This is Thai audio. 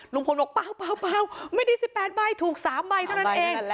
ลุงพลบอกเปล่าไม่ได้๑๘ใบถูก๓ใบเท่านั้นเอง